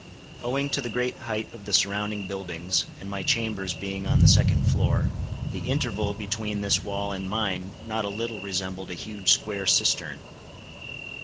Owing to the great height of the surrounding buildings, and my chambers being on the second floor, the interval between this wall and mine not a little resembled a huge square cistern.